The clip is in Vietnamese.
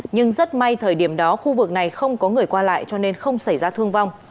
nhưng rất may thời điểm đó khu vực này không có người qua lại cho nên không xảy ra thương vong